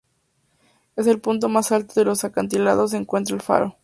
En el punto más alto de los acantilados se encuentra el faro.